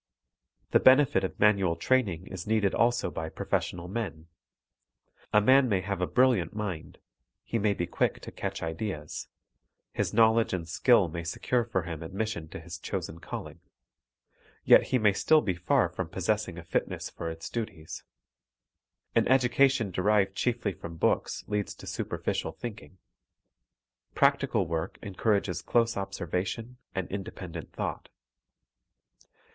The benefit of manual training is needed also by professional men. A man may have a brilliant mind; he may be quick to catch ideas; his knowledge and skill may secure for him admission to his chosen calling; yet he may still be far from possessing a fitness for its duties. An education derived chiefly from books leads to superficial thinking. Practical work encourages close observation and independent thought.